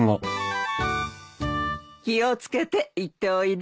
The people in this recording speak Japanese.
気を付けて行っておいで。